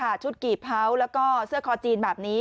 ชุดกี่เผาแล้วก็เสื้อคอจีนแบบนี้